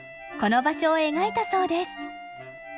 この場所を描いたそうです。